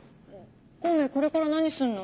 孔明これから何すんの？